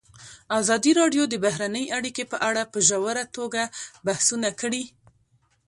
ازادي راډیو د بهرنۍ اړیکې په اړه په ژوره توګه بحثونه کړي.